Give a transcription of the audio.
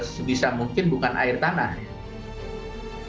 sebisa mungkin bukan air tanah ya